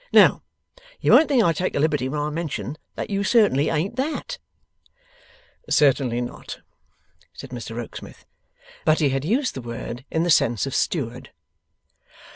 Now, you won't think I take a liberty when I mention that you certainly ain't THAT.' Certainly not, said Mr Rokesmith. But he had used the word in the sense of Steward.